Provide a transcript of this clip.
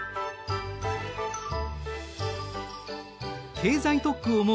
経済特区を設け